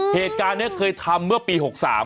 เหตุการณ์นี้เคยทำเมื่อปี๖๓